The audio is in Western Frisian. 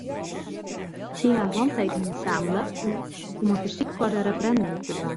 Sy ha hantekeningen sammele om in fersyk foar in referindum te dwaan.